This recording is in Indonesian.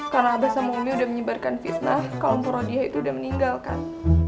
karena abah sama umi udah menyebarkan fitnah kalau mpura diha itu udah meninggalkan